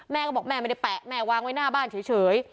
แม่ก็บอกแม่ไม่ได้แปะแม่วางไว้หน้าบ้านเฉย